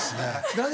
何？